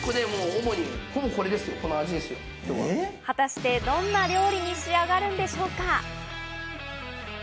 果たしてどんな料理に仕上がるんでしょうか？